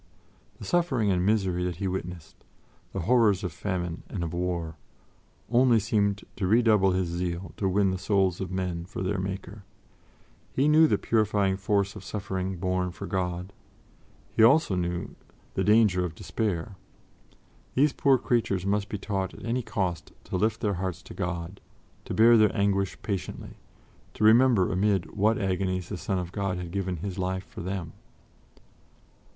The suffering and misery that he witnessed, the horrors of famine and of war, only seemed to redouble his zeal to win the souls of men for their Maker. He knew the purifying force of suffering borne for God; he knew also the danger of despair. These poor creatures must be taught at any cost to lift their hearts to God, to bear their anguish patiently, to remember amid what agonies the Son of God had given His life for them.